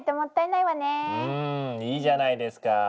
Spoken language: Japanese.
うんいいじゃないですか。